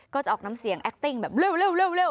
ก็จะออกน้ำเสียงแอคติ้งแบบเร็ว